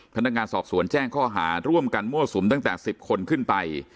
พนักงานสอบสวนแจ้งข้อหาร่วมกันมั่วสุมตั้งแต่๑๐คนขึ้นไป